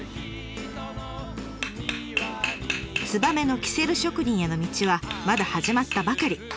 燕のキセル職人への道はまだ始まったばかり。